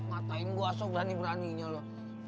ngatain gue sok berani beraninya lo